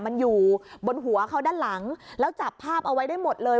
มันอยู่บนหัวเขาด้านหลังแล้วจับภาพเอาไว้ได้หมดเลย